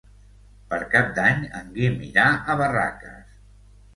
Per Cap d'Any en Guim irà a Barraques.